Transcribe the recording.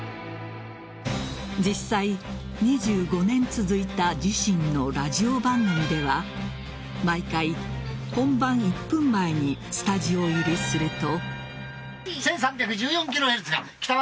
実際、２５年続いた自身のラジオ番組では毎回、本番１分前にスタジオ入りすると。